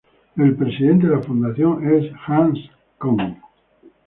El presidente de la fundación es Hans Küng.